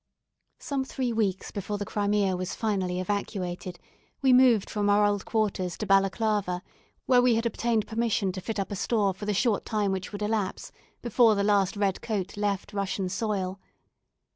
Some three weeks before the Crimea was finally evacuated, we moved from our old quarters to Balaclava, where we had obtained permission to fit up a store for the short time which would elapse before the last red coat left Russian soil.